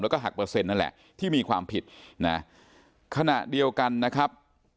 แล้วก็หักเปอร์เซ็นต์นั่นแหละที่มีความผิดนะขณะเดียวกันนะครับ